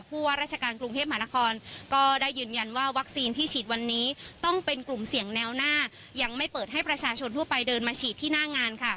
ว่าราชการกรุงเทพมหานครก็ได้ยืนยันว่าวัคซีนที่ฉีดวันนี้ต้องเป็นกลุ่มเสี่ยงแนวหน้ายังไม่เปิดให้ประชาชนทั่วไปเดินมาฉีดที่หน้างานค่ะ